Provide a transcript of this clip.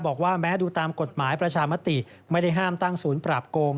บอกว่าแม้ดูตามกฎหมายประชามติไม่ได้ห้ามตั้งศูนย์ปราบโกง